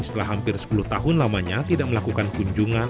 setelah hampir sepuluh tahun lamanya tidak melakukan kunjungan